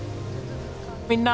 みんな！